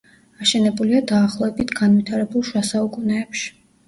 აშენებულია დაახლოებით განვითარებულ შუა საუკუნეებში.